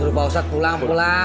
suruh pak ustadz pulang pulang